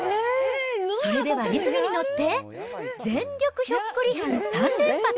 それではリズムに乗って、全力ひょっこりはん３連発。